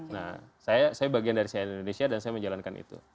nah saya bagian dari cnn indonesia dan saya menjalankan itu